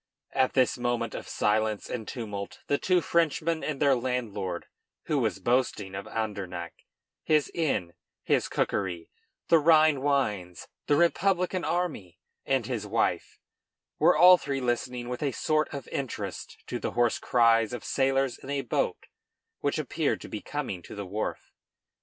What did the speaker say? At this moment of silence and tumult the two Frenchmen and their landlord, who was boasting of Andernach, his inn, his cookery, the Rhine wines, the Republican army, and his wife, were all three listening with a sort of interest to the hoarse cries of sailors in a boat which appeared to be coming to the wharf.